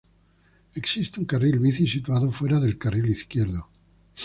Existe un carril bici situado fuera del carril izquierdo.